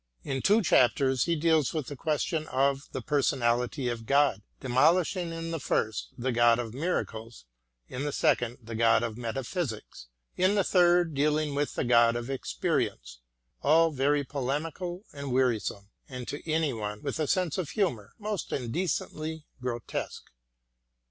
In two chapters he deals with the question of the " personality of God," demolishing in the first the God of miracles, in the second the God of metaphysics ; in the third dealing with the God of experience^ — ^all very polemical and weari some, and to any one with a sense of humour most indecently grotesque.